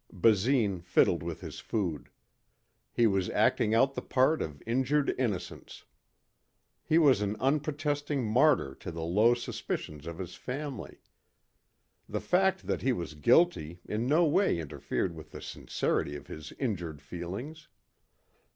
Basine fiddled with his food. He was acting out the part of injured innocence. He was an unprotesting martyr to the low suspicions of his family. The fact that he was guilty in no way interfered with the sincerity of his injured feelings.